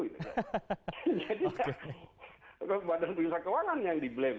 jadi badan pemerintah keuangan yang di blame